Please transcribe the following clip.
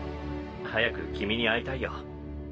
早く君に会いたいよ。